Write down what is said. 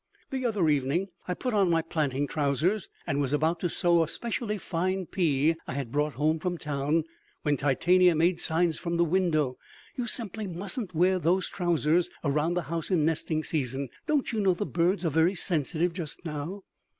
The other evening I put on my planting trousers and was about to sow a specially fine pea I had brought home from town when Titania made signs from the window. "You simply mustn't wear those trousers around the house in nesting season. Don't you know the birds are very sensitive just now?"